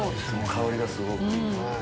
香りがすごくいい。